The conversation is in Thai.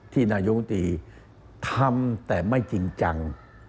ที่นายกุฎีทำแต่ไม่จริงจัง